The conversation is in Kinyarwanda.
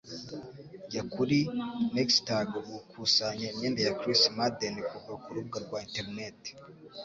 Jya kuri Nextag gukusanya imyenda ya Chris Madden kuva kurubuga rwa interineti.